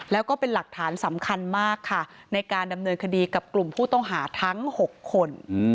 แล้วก็เป็นหลักฐานสำคัญมากค่ะในการดำเนินคดีกับกลุ่มผู้ต้องหาทั้ง๖คน